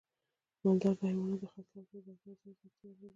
مالدار د حیواناتو د خرڅلاو لپاره ځانګړي ځای ته اړتیا درلوده.